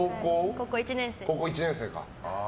高校１年生。